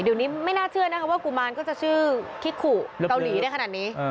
เดี๋ยวนี้ไม่น่าเชื่อนะคะว่ากุมารก็จะชื่อคิขุเกาหลีได้ขนาดนี้